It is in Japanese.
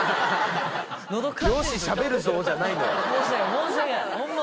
申し訳ないホンマ